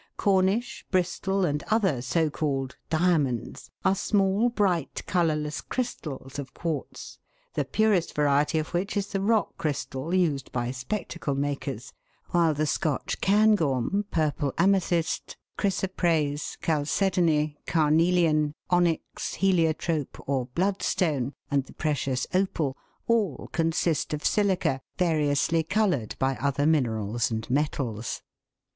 Cornish, Bristol, and other so called " diamonds," are small bright colourless crystals of quartz, the purest variety of which is the rock crystal used by spec tacle makers, while the Scotch cairngorm, purple amethyst, ehrysoprase, chalcedony, carnelian, onyx, heliotrope or blood stone, and the precious opal, all consist of silica, va riously coloured by other minerals and metals.